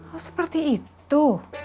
oh seperti itu